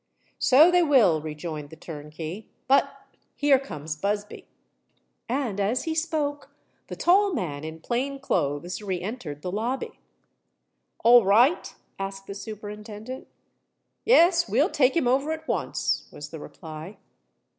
"So they will," rejoined the turnkey. "But here comes Busby." And, as he spoke, the tall man in plain clothes re entered the lobby. "All right?" asked the Superintendent. "Yes. We'll take him over at once," was the reply.